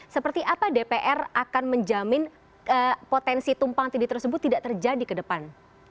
seperti apa dpr akan menjamin potensi tumpang tini tersebut tidak terjadi kedepan